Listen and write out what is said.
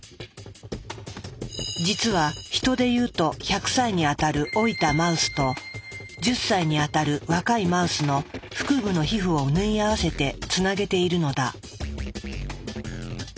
実はヒトでいうと１００歳に当たる老いたマウスと１０歳に当たる若いマウスの腹部の皮膚を縫い合わせてつなげているのだ。